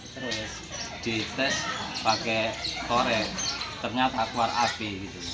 terus dites pakai toreng ternyata keluar api